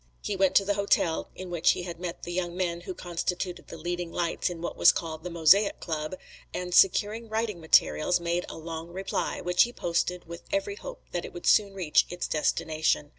He went to the hotel in which he had met the young men who constituted the leading lights in what was called the Mosaic Club, and, securing writing materials, made a long reply, which he posted with every hope that it would soon reach its destination.